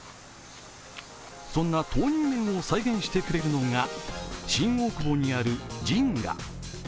そんな豆乳麺を再現してくれるのが新大久保にあるヂンガ。